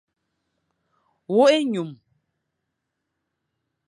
Wôkh ényum.